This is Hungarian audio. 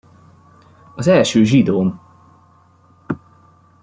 Az első zsidóm!